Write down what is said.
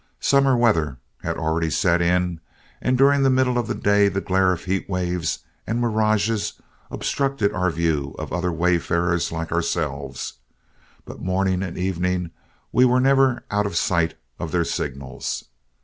Summer weather had already set in, and during the middle of the day the glare of heat waves and mirages obstructed our view of other wayfarers like ourselves, but morning and evening we were never out of sight of their signals.